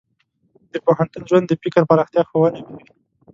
د پوهنتون ژوند د فکر پراختیا ښوونه کوي.